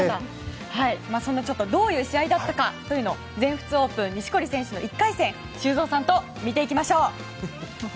どういう試合だったのかというのを全仏オープン錦織選手の１回戦修造さんと見ていきましょう。